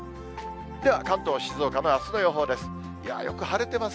では、関東、静岡のあすの予報です。